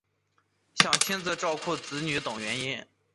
想亲自照顾子女等原因